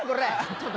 ちょっと。